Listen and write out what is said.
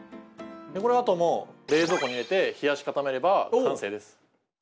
このあともう冷蔵庫に入れて冷やしかためれば完成です。